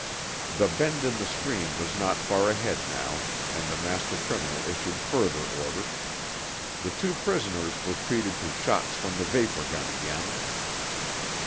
The bend in the stream was not far ahead now, and the master criminal issued further orders. The two prisoners were treated to shots from the vapor gun again.